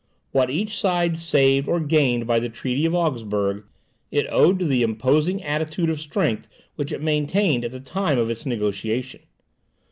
What each side saved or gained by the treaty of Augsburg, it owed to the imposing attitude of strength which it maintained at the time of its negociation.